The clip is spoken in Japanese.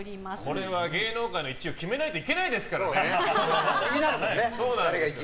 これは、芸能界の１位を決めないといけないですからね！